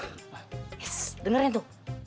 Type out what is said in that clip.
yes dengerin tuh